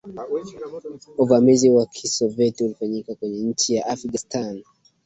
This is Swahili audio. uvamizi wa kisovyeti ulifanyika kwenye nchi ya afghanistani